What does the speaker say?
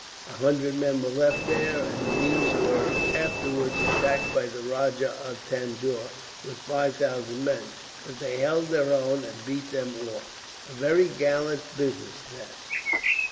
A hundred men were left there, and these were afterwards attacked by the Rajah of Tanjore, with five thousand men; but they held their own, and beat them off. A very gallant business, that!